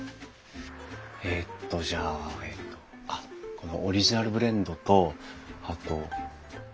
えっとじゃあこのオリジナルブレンドとあと。